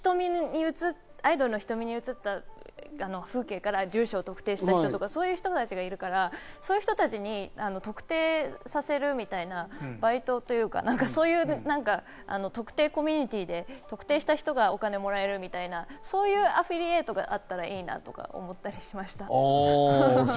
アイドルの瞳に映った風景から住所を特定したりとか、そういう人たちがいるからそういう人たちに特定させるみたいなバイトというか、特定コミュニティーで特定した人がお金をもらえるみたいな、そういうアフィリエイトがあったらいいなと思ったりしました。